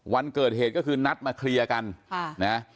วันเกิดเหตุก็คือนัดมาเคลียร์กันค่ะนะ